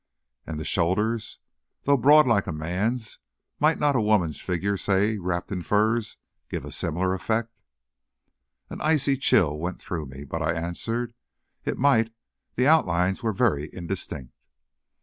"And the shoulders? Though broad, like a man's, might not a woman's figure, say, wrapped in furs, give a similar effect?" An icy chill went through me, but I answered, "It might; the outlines were very indistinct."